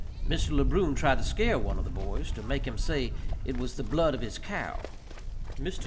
Mr. Le Brun tried to scare one of the boys, to make him say it was the blood of his cow. Mr.